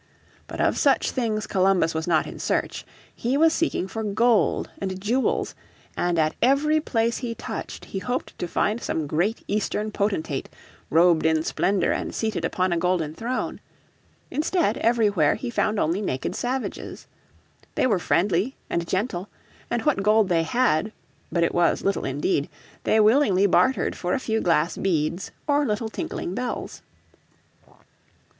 But of such things Columbus was not in search. He was seeking for gold and jewels, and at every place he touched he hoped to find some great eastern potentate, robed in splendour and seated upon a golden throne; instead everywhere he found only naked savages. They were friendly and gentle, and what gold they had but it was little indeed they willingly bartered for a few glass beads, or little tinkling bells.